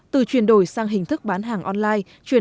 từ chuyển đổi sang hình thức bán hàng online